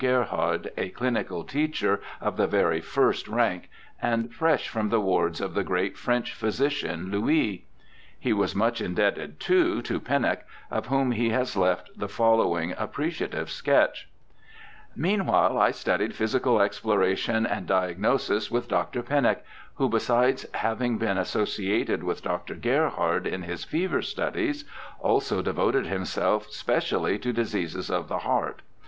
Gerhard, a clinical teacher of the very first rank, and fresh from the wards of the great French physician, Louis. He was much indebted, too, to Pennock, of whom he has left the following appreciative sketch :' Meanwhile, I studied physical exploration and dia gnosis with Dr. Pennock, who, besides having been associated with Dr. Gerhard in his fever studies, also devoted himself specially to diseases of the heart.